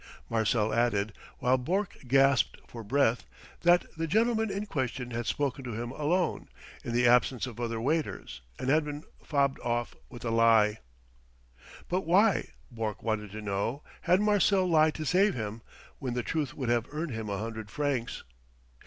Marcel added, while Bourke gasped for breath, that the gentleman in question had spoken to him alone, in the absence of other waiters, and had been fobbed off with a lie. But why Bourke wanted to know had Marcel lied to save him, when the truth would have earned him a hundred francs?